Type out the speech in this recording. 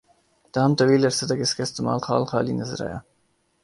تاہم ، طویل عرصے تک اس کا استعمال خال خال ہی نظر آیا